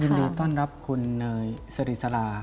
ยินดีต้อนรับคุณเนยสริษระ